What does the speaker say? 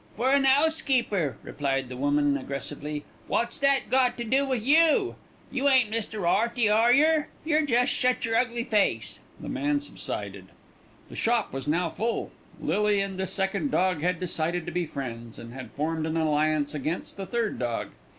"For an 'ousekeeper," replied the woman aggressively. "Wot's that got to do wi' you? You ain't Mr. 'Earty, are yer? You jest shut yer ugly face." The man subsided. The shop was now full. Lily and the second dog had decided to be friends, and had formed an alliance against the third dog.